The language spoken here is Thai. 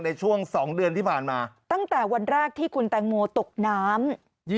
ในช่วง๒เดือนที่ผ่านมาตั้งแต่วันแรกที่คุณแตงโมตกน้ำ